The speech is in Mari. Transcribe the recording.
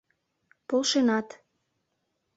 Полшенат.